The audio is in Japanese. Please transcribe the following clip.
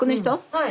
はい。